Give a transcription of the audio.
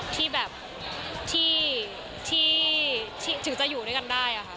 ที่แบบที่จะอยู่ด้วยกันได้ค่ะ